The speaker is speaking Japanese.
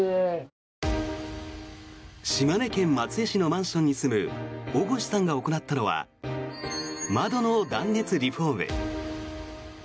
島根県松江市のマンションに住む生越さんが行ったのは窓の断熱リフォーム。